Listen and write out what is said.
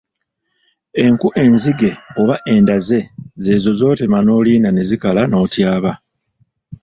Enku enzige oba endaze z'ezo z'otema n'olinda ne zikala n'ozityaba.